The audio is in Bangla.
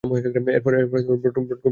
এরপর ব্রাডফোর্ড লীগে খেলেন।